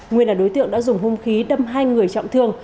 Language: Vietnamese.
nguyên là đối tượng đã dùng hung khí đâm hai người trọng thương